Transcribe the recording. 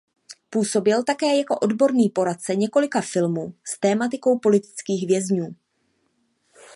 Působil také jako odborný poradce několika filmů s tematikou politických vězňů.